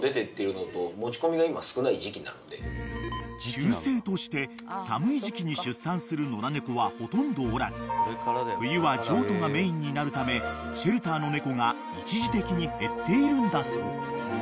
［習性として寒い時季に出産する野良猫はほとんどおらず冬は譲渡がメインになるためシェルターの猫が一時的に減っているんだそう］